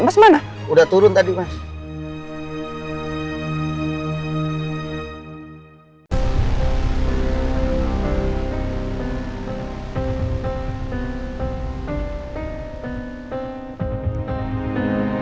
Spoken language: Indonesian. mas mana udah turun tadi mas